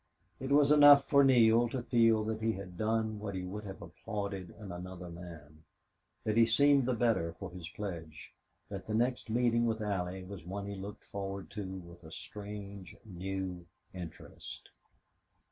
It was enough for Neale to feel that he had done what he would have applauded in another man, that he seemed the better for his pledge, that the next meeting with Allie was one he looked forward to with a strange, new interest.